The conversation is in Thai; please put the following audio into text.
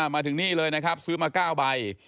มาถึงนี่เลยนะครับซื้อมา๙ใบ